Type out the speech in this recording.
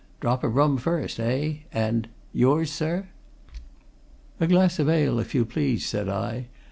Drop of rum first, eh? And yours sir?" "A glass of ale if you please," said I.